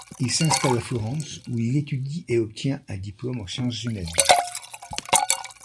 Il s'installe à Florence où il étudie et obtient un diplôme en sciences humaines.